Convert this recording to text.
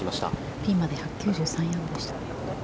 ピンまで１９３ヤードでした。